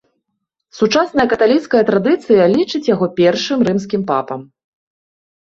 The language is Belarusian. Сучасная каталіцкая традыцыя лічыць яго першым рымскім папам.